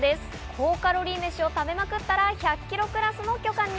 高カロリーめしを食べまくったら、１００キロクラスの巨漢に！